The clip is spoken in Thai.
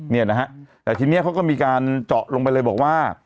เนี่ยนะฮะแต่ทีนี้เขาก็มีการเจาะลงไปเลยบอกว่า